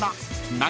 何？